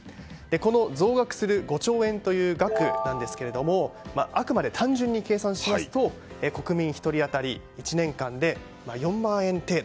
この増額する５兆円という額なんですがあくまで単純に計算しますと国民１人当たり１年間で４万円程度。